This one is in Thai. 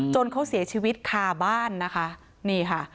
จนเขาเสียชีวิตคาบ้านนะคะ